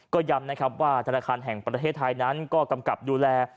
ก็ย้ำนะครับว่าธนาคารแห่งประเทศไทยนั้นก็กำกับดูแล